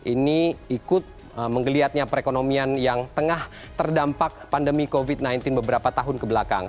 ini ikut menggeliatnya perekonomian yang tengah terdampak pandemi covid sembilan belas beberapa tahun kebelakang